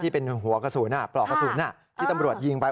เป็นหัวกระสุนปลอกกระสุนที่ตำรวจยิงไป